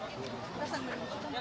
bang iskan lo ikutin dia ya